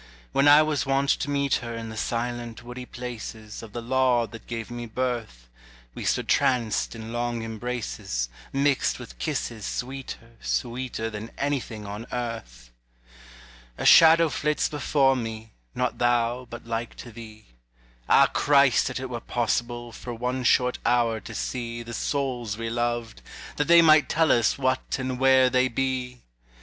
When I was wont to meet her In the silent woody places Of the laud that gave me birth, We stood tranced in long embraces Mixt with kisses sweeter, sweeter Than anything on earth. A shadow flits before me, Not thou, but like to thee; Ah Christ, that it were possible For one short hour to see The souls we loved, that they might tell us What and where they be!